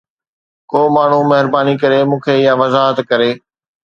ڪو ماڻهو مهرباني ڪري مون کي اها وضاحت ڪري.